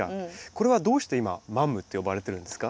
これはどうして今マムって呼ばれてるんですか？